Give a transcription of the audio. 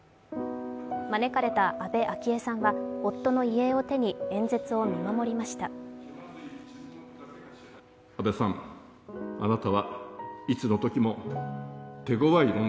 招かれた安倍昭恵さんは夫の遺影を手に演説を見守りました。